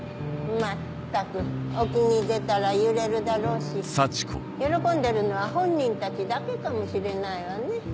まったく沖に出たら揺れるだろうし喜んでるのは本人たちだけかもしれないわね。